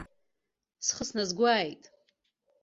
Схы сназгәааит.